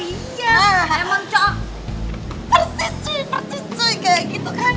iya emang cowok persis cuy persis cuy kayak gitu kan